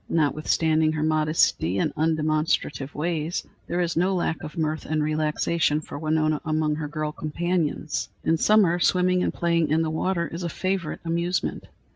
Notwithstanding her modesty and undemonstrative ways, there is no lack of mirth and relaxation for Winona among her girl companions. In summer, swimming and playing in the water is a favorite amusement.